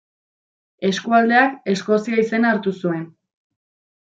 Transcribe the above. Eskualdeak Eskozia izena hartu zuen.